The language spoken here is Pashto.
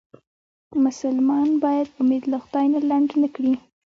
مسلمان باید امید له خدای نه لنډ نه کړي.